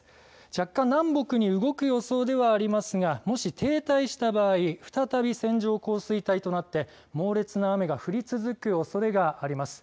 若干、南北に動く予想ではありますがもし停滞した場合再び線状降水帯となって猛烈な雨が降り続くおそれがあります。